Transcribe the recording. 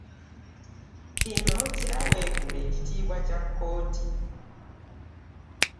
Kino kyaweebuula ekitiibwa kya kkooti.